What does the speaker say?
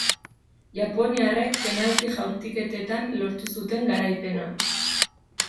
Japoniarrek penalti jaurtiketetan lortu zuten garaipena.